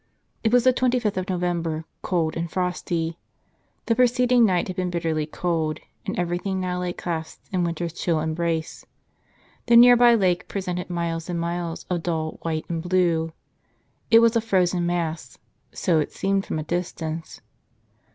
It was the twenty fifth of November, cold and frosty. The pre¬ ceding night had been bitterly cold, and everything now lay clasped in winter's chill embrace. The nearby lake presented miles and miles of dull white and blue. It was a frozen mass — so it seemed from a distance.